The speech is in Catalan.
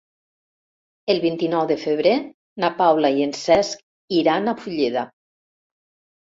El vint-i-nou de febrer na Paula i en Cesc iran a Fulleda.